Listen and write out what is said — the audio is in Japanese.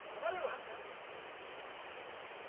ちゃんとやるよ。